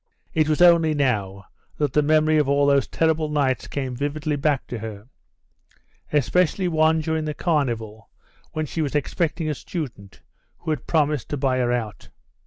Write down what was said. It was only now that the memory of all those terrible nights came vividly back to her, especially one during the carnival when she was expecting a student who had promised to buy her out.